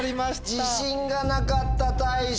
自信がなかったたいし。